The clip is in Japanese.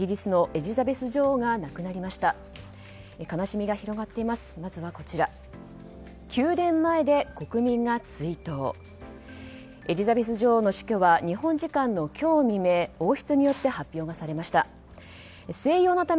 エリザベス女王の死去は日本時間の今日未明王室によって発表がされました。